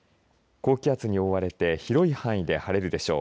高気圧に覆われて広い範囲で晴れるでしょう。